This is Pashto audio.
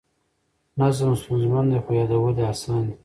نظم ستونزمن دی خو یادول یې اسان دي.